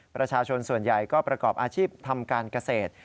ประชาชนส่วนใหญ่ก็ประกอบอาชีพทำการเกษตร